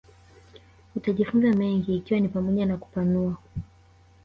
utajifunza mengi ikiwa ni pamoja na kupanua